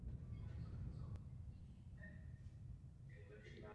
Po celou dobu projektování a výstavby neměl most žádný oficiální název.